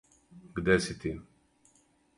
Где си ти.